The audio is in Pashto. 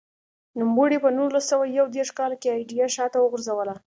نوموړي په نولس سوه یو دېرش کال کې ایډیا شاته وغورځوله.